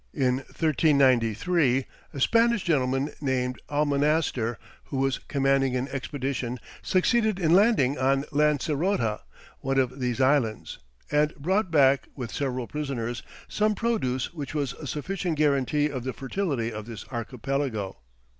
In 1393, a Spanish gentleman named Almonaster, who was commanding an expedition, succeeded in landing on Lancerota, one of these islands, and brought back, with several prisoners, some produce which was a sufficient guarantee of the fertility of this archipelago.